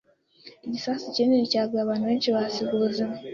Igisasu kinini cyaguye, abantu benshi bahasiga ubuzima.